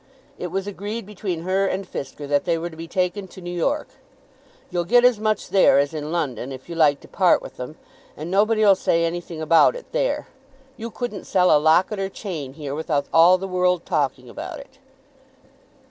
It was agreed between her and Fisker that they were to be taken to New York. "You'll get as much there as in London, if you like to part with them; and nobody 'll say anything about it there. You couldn't sell a locket or a chain here without all the world talking about it."